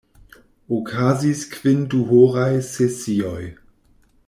Okazis kvin duhoraj sesioj.